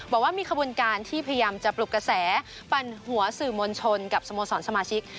บอกว่ามีขบวนการที่พยายามจะปลุกกระแสปั่นหัวสื่อมวลชนกับสโมสรสมาชิก